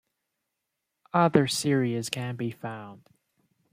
Other series can be found.